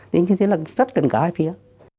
thế như thế là rất gần cả hai phía